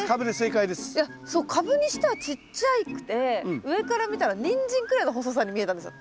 いやそうカブにしてはちっちゃくて上から見たらニンジンくらいの細さに見えたんですよ。